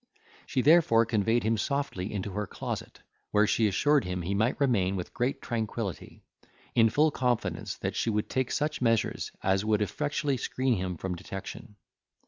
She therefore conveyed him softly into her closet, where she assured him he might remain with great tranquillity, in full confidence that she would take such measures as would effectually screen him from detection.